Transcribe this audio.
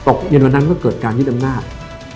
เย็นวันนั้นก็เกิดการยึดอำนาจ